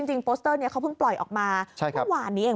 จริงโปสเตอร์เขาพึ่งปล่อยออกมาเมื่อวานนี้เอง